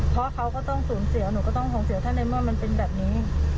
เพราะเขาก็ต้องสูญเสียหนูก็ต้องห่วงเสียถ้าในเมื่อมันเป็นแบบนี้